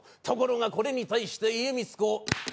ところがこれに対して家光公。